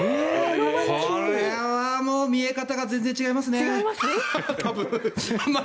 これはもう見え方が全然違いますね。